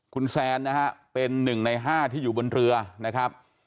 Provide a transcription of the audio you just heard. คุณแซนนะฮะเป็น๑ใน๕ที่อยู่บนเรือนะครับ